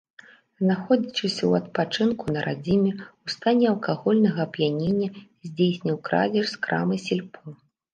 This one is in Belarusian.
Знаходзячыся ў адпачынку на радзіме, у стане алкагольнага ап'янення, здзейсніў крадзеж з крамы сельпо.